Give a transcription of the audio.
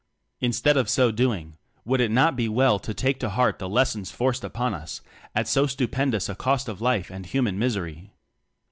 Instead of so doing, would it not be well to take to heart the lessons forced upon us at so stupendous a cost of life and human misery?